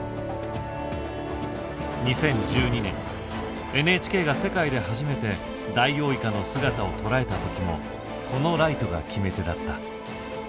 ２０１２年ＮＨＫが世界で初めてダイオウイカの姿を捉えた時もこのライトが決め手だった。